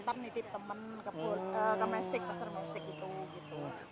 ntar nitip temen ke mestik pasar mestik gitu